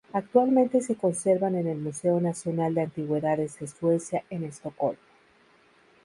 Actualmente se conservan en el Museo Nacional de Antigüedades de Suecia en Estocolmo.